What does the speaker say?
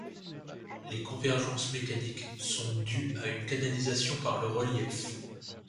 Les convergences mécaniques sont dues à une canalisation par le relief.